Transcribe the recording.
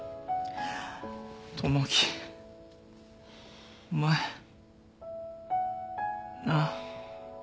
友樹お前なあ。